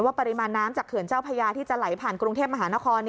ปริมาณน้ำจากเขื่อนเจ้าพญาที่จะไหลผ่านกรุงเทพมหานคร